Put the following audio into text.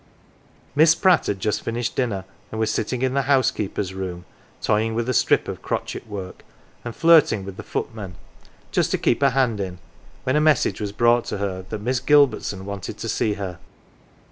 Miss Pratt had just finished dinner, and was sitting in the housekeeper's room, toying with a strip of crochet work and flirting with the footman just to keep her hand in when a message was brought to her that Miss Gilbertson wanted to see her.